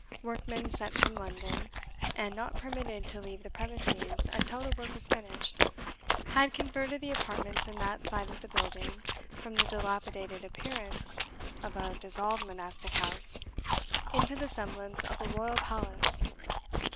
Workmen sent from London, and not permitted to leave the premises until the work was finished, had converted the apartments in that side of the building from the dilapidated appearance of a dissolved monastic house into the semblance of a royal palace.